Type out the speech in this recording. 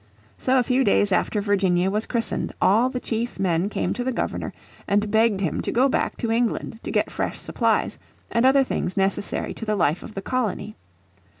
So a few days after Virginia was christened all the chief men came to the Governor and begged him to go back to England to get fresh supplies, and other things necessary to the life of the colony.